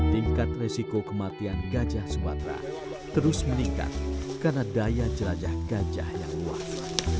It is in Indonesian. tingkat resiko kematian gajah sumatera terus meningkat karena daya jelajah gajah yang luas